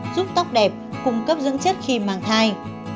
giúp tóc đẹp cung cấp dưỡng chất khi mang thai